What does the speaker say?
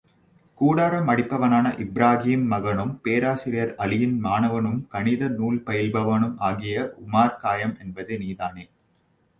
கூடாரம் அடிப்பவனான இப்ராகீம் மகனும் பேராசிரியர் அலியின் மாணவனும் கணித நூல் பயில்பவனும் ஆகிய உமார்கயாம் என்பது நீதானே!